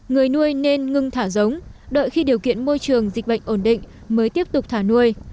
người nuôi nên ngưng thả giống đợi khi điều kiện môi trường dịch bệnh ổn định mới tiếp tục thả nuôi